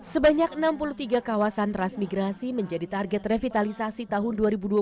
sebanyak enam puluh tiga kawasan transmigrasi menjadi target revitalisasi tahun dua ribu dua puluh dua ribu dua puluh empat